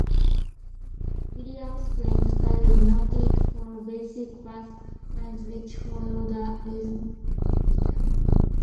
Williams's playing style is noted for basic bass lines which follow the rhythm guitar.